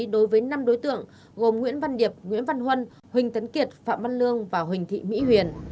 đối với năm đối tượng gồm nguyễn văn điệp nguyễn văn huân huỳnh tấn kiệt phạm văn lương và huỳnh thị mỹ huyền